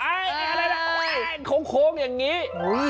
อะไรละโค้งอย่างนี้